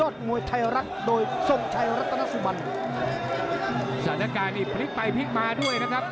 สถานการณ์นี้พลิกไปพลิกมาด้วยครับแนะแน็ต